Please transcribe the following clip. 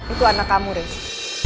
itu anak kamu riri